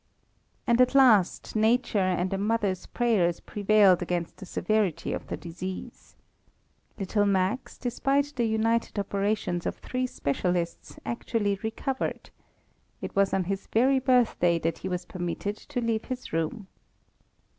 And at last nature and a mother's prayers prevailed against the severity of the disease. Little Max, despite the united operations of three specialists, actually recovered. It was on his very birthday that he was permitted to leave his room.